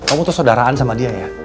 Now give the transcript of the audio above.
kamu tuh saudaraan sama dia ya